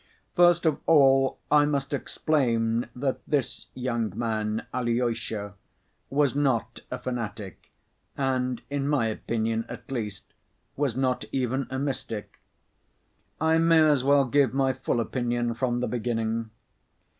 First of all, I must explain that this young man, Alyosha, was not a fanatic, and, in my opinion at least, was not even a mystic. I may as well give my full opinion from the beginning.